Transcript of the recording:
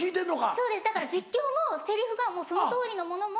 そうですだから実況もセリフがそのとおりのものも。